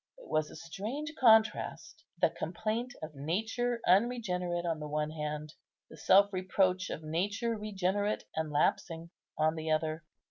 It was a strange contrast, the complaint of nature unregenerate on the one hand, the self reproach of nature regenerate and lapsing on the other.